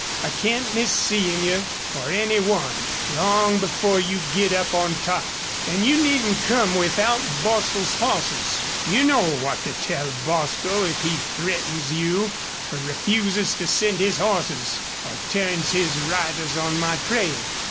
I can't miss seein' you, or any one, long before you git up on top. An' you needn't come without Bostil's hosses. You know what to tell Bostil if he threatens you, or refuses to send his hosses, or turns his riders on my trail.